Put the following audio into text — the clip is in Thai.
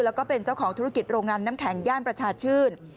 แล้วก็เป็นเจ้าของธุรกิจโรงงานน้ำแข็งย่านประชาชื่น